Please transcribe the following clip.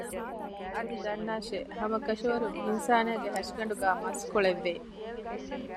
އަދި ދަންނާށޭ ހަމަކަށަވަރުން އިންސާނާގެ ހަށިގަނޑުގައި މަސްކޮޅެއް ވޭ